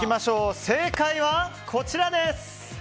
正解は、こちらです。